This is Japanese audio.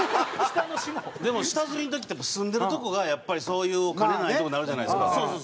でも下積みの時って住んでるとこがやっぱりそういうお金ないとこになるじゃないですか。